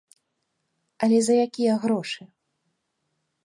Але за якія грошы?